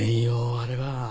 あれは。